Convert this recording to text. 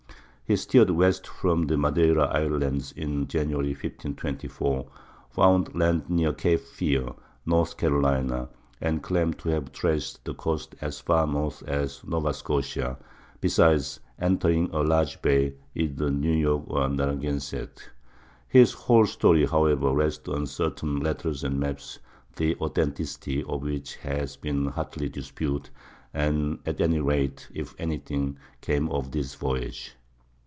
He steered west from the Madeira Islands in January, 1524, found land near Cape Fear (North Carolina), and claimed to have traced the coast as far north as Nova Scotia, besides entering a large bay (either New York or Narragansett). His whole story, however, rests on certain letters and maps the authenticity of which has been hotly disputed; and at any rate little, if anything, came of this voyage.